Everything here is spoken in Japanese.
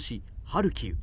ハルキウ。